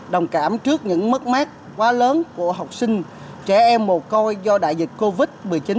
đồng cảm trước những mất mát quá lớn của học sinh trẻ em mồ cô coi do đại dịch covid một mươi chín